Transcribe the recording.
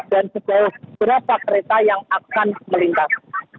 dan sejauh berapa kereta yang akan melintas